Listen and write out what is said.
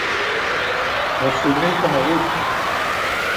On se met en route.